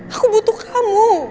aku butuh kamu